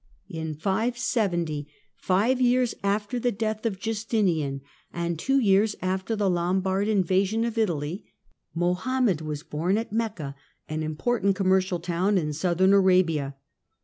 In 570, five years after the death of Justinian, and two years after the Lombard invasion of Italy, Mohammed was born, at Mecca, an important commercial town in Southern Arabia.